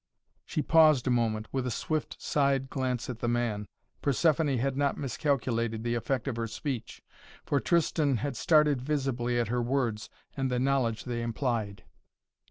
She paused a moment, with a swift side glance at the man. Persephoné had not miscalculated the effect of her speech, for Tristan had started visibly at her words and the knowledge they implied.